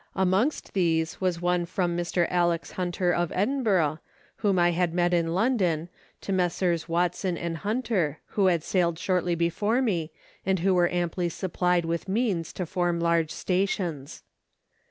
Amongst these was one from Mr. Alex. Hunter, of Edinburgh, whom I had met in London, to Messrs. Watson and Hunter, who had sailed shortly before me, and who were amply supplied with means to form large stations.